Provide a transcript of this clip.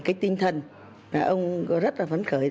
cái tinh thần ông rất là phấn khởi